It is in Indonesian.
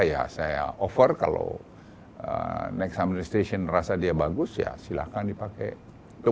ya saya over kalau next amnestation rasa dia bagus ya silahkan dipakai